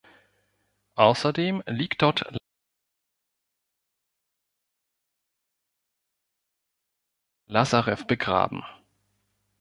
Außerdem liegt dort Lasarew begraben.